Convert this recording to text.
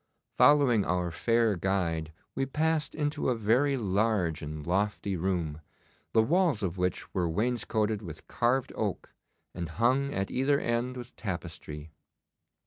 Following our fair guide we passed into a very large and lofty room, the walls of which were wainscoted with carved oak, and hung at either end with tapestry.